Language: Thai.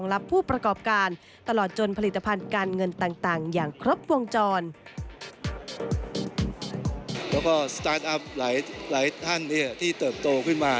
แล้วก็สตาร์ทอัพหลายท่านที่เติบโตขึ้นมา